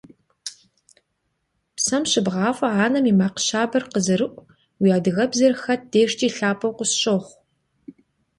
Псэм щыбгъафӀэ анэм и макъ щабэр къызэрыӀу уи адыгэбзэр хэт дежкӀи лъапӀэу къысщохъу.